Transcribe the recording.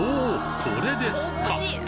これですか！